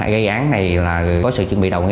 gây án này là có sự chuẩn bị